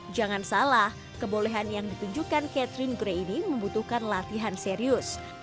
jangan salah kebolehan yang ditunjukkan catherine grey ini membutuhkan latihan serius